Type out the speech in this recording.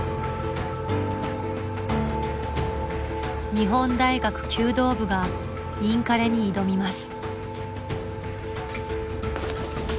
日本大学弓道部がインカレに挑みます。